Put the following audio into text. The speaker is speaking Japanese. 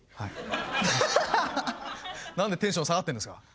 何でテンション下がってるんですか？